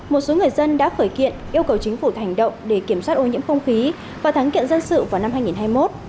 một số người dân đã khởi kiện yêu cầu chính phủ hành động để kiểm soát ô nhiễm không khí và thắng kiện dân sự vào năm hai nghìn hai mươi một